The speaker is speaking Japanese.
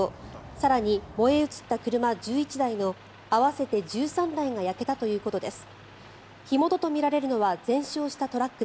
更に、燃え移った車１１台の合わせて１３台が焼けたということです。